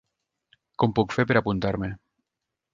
Com puc fer per apuntar-me.